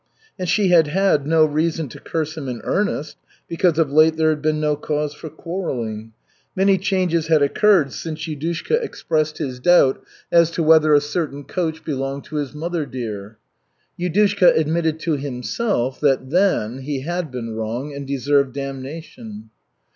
And she had had no reason to curse him in earnest, because of late there had been no cause for quarreling. Many changes had occurred since Yudushka expressed his doubt as to whether a certain coach belonged to his mother dear (Yudushka admitted to himself that then he had been wrong and deserved damnation).